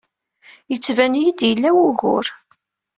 Yettban-iyi-d yella wugur.